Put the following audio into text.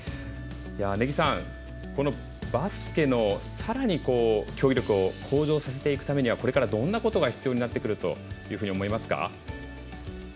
根木さん、このバスケのさらに競技力を向上させていくためにはこれから、どうんなことが必要になってくると思いますか？